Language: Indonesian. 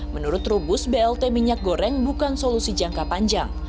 menurut trubus blt minyak goreng bukan solusi jangka panjang